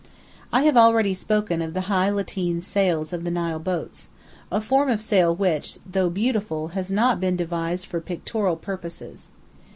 I have already spoken of the high lateen sail of the Nile boats, a form of sail which, though beautiful, has not been devised for pictorial purposes.